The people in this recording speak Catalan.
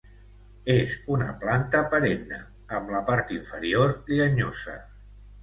És una planta perenne, amb la part inferior llenyosa.